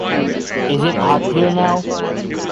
Is it hot here now?